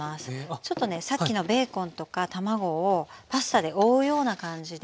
ちょっとねさっきのベーコンとか卵をパスタで覆うような感じで。